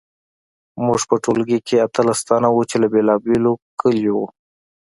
موږ په ټولګي کې اتلس تنه وو چې له بیلابیلو کلیو وو